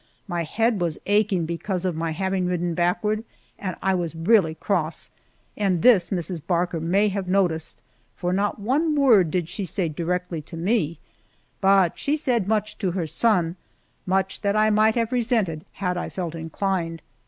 My head was aching because of my having ridden backward, and I was really cross, and this Mrs. Barker may have noticed, for not one word did she say directly to me, but she said much to her son much that I might have resented had I felt inclined.